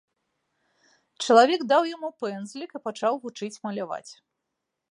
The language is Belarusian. Чалавек даў яму пэндзлік і пачаў вучыць маляваць.